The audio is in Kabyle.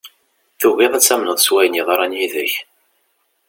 Tugiḍ ad tamneḍ s wayen yeḍran yid-k.